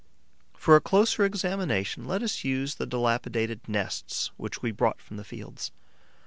For a closer examination, let us use the dilapidated nests which we brought from the fields.